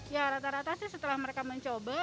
ya rata rata sih setelah mereka mencoba